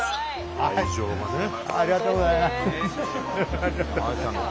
ありがとうございます。